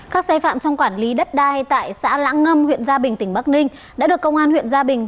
các sai phạm trong quản lý đất đai tại xã lãng ngâm huyện gia bình tỉnh bắc ninh đã được công an huyện gia bình